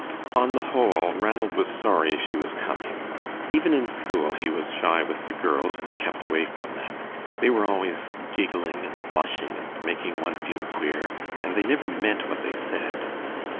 On the whole, Ranald was sorry she was coming. Even in school he was shy with the girls, and kept away from them. They were always giggling and blushing and making one feel queer, and they never meant what they said.